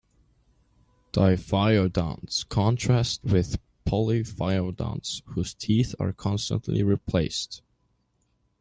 Diphyodonts contrast with polyphyodonts, whose teeth are constantly replaced.